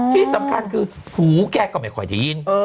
ที่สำคัญคือหูแกก็ไม่ค่อยได้ยิน